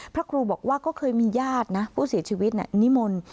พระครูบอกว่าก็เคยมีญาตินะผู้เสียชีวิตนิมนต์